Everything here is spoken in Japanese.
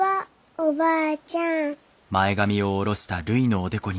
おばあちゃん。